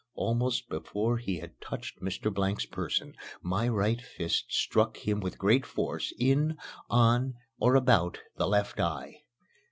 Almost before he had touched Mr. Blank's person, my right fist struck him with great force in, on, or about the left eye.